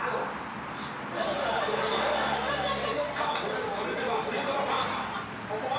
［さあそれでは末澤さんここは？］